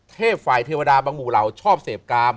เทพฝ่ายเทวดาบังบุราวชอบเสพกาม